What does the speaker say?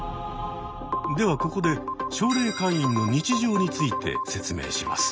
ではここで奨励会員の日常について説明します。